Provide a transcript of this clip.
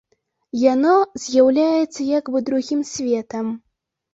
Яно з'яўляецца як бы другім светам.